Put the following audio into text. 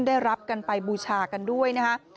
ได้รับกันไปบุชากันด้วย